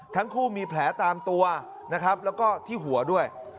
ทั้งคู่มีแผลตามตัวนะครับแล้วก็ที่หัวด้วย